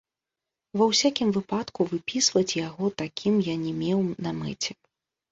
Ва ўсякім выпадку, выпісваць яго такім я не меў на мэце.